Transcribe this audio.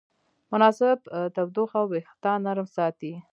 مناسب تودوخه وېښتيان نرم ساتي.